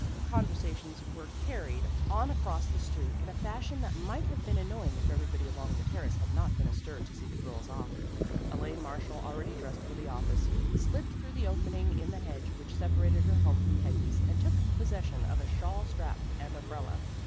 Conversations were carried on across the street in a fashion that might have been annoying if everybody along the Terrace had not been astir to see the girls off. Elaine Marshall already dressed for the office, slipped through the opening in the hedge which separated her home from Peggy's, and took possession of a shawl strap and umbrella.